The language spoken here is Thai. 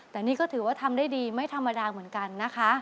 แต่นี่ก็ถือว่าทำได้ดีไม่ธรรมดาเหมือนกันนะคะ